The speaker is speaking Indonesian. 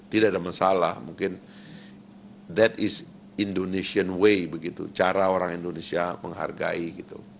tidak ada masalah mungkin that is indonesian way begitu cara orang indonesia menghargai gitu